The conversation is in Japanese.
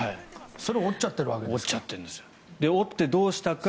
それを折っちゃっているわけですから。